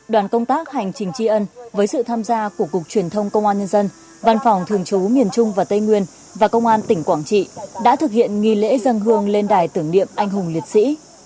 đoàn công tác hành trình tri ân với sự tham gia của cục truyền thông công an nhân dân văn phòng thường trú miền trung và tây nguyên và công an tỉnh quảng trị đã thực hiện nghi lễ dân hương lên đài tưởng niệm anh hùng liệt sĩ